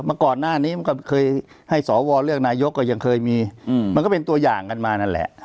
ก่อนหน้านี้มันก็เคยให้สวเลือกนายกก็ยังเคยมีมันก็เป็นตัวอย่างกันมานั่นแหละ